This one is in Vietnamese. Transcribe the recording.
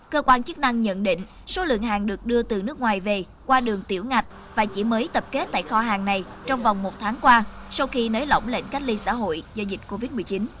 cơ quan chức năng nhận định số lượng hàng được đưa từ nước ngoài về qua đường tiểu ngạch và chỉ mới tập kết tại kho hàng này trong vòng một tháng qua sau khi nới lỏng lệnh cách ly xã hội do dịch covid một mươi chín